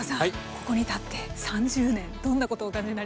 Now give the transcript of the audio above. ここに立って３０年どんなことをお感じになります？